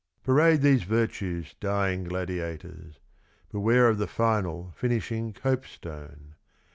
Parade these virtues, dying gladiators! Beware of the final, finishing copestone.